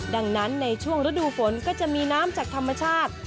ดังนั้นในช่วงฤดูฝนก็จะมีน้ำจากธรรมชาติ